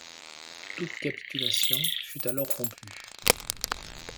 Toute capitulation fut alors rompue.